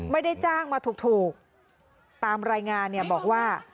ไม่ได้จ้างมาถูกตามรายงานเนี่ยบอกว่า